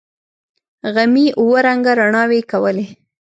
غمي اوه رنگه رڼاوې کولې.